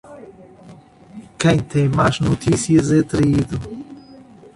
Quem tem más notícias é traído.